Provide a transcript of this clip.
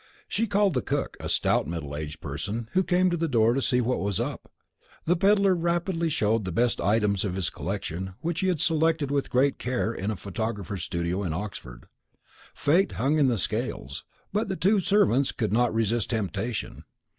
She called the cook, a stout, middle aged person, who came to the door to see what was up. The pedlar rapidly showed the best items of his collection, which he had selected with great care in a photographer's studio in Oxford. Fate hung in the scales, but the two servants could not resist temptation.